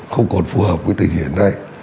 không còn phù hợp với tình hình hiện nay